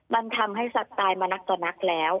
มันทำให้สัตว์ตายมานักต่อนักแล้ว